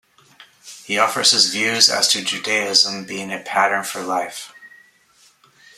He offers his views as to Judaism being a pattern for life.